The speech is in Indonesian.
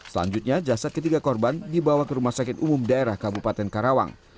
selanjutnya jasad ketiga korban dibawa ke rumah sakit umum daerah kabupaten karawang